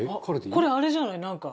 美穂：これ、あれじゃない？